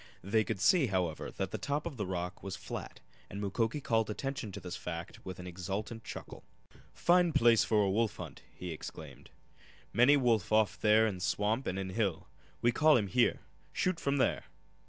They could see, however, that the top of the, rock was flat, and Mukoki called attention to this fact with an exultant chuckle. "Fine place for wolf hunt!" he exclaimed. "Many wolf off there in swamp an' in hill. We call heem here. Shoot from there!"